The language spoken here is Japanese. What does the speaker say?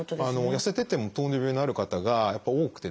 痩せてても糖尿病になる方がやっぱ多くてですね